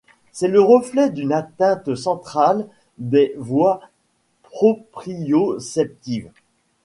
C'est le reflet d'une atteinte centrale des voies proprioceptives.